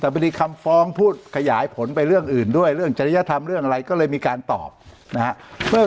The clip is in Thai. แต่พอดีคำฟ้องพูดขยายผลไปเรื่องอื่นด้วยเรื่องจริยธรรมเรื่องอะไรก็เลยมีการตอบนะฮะ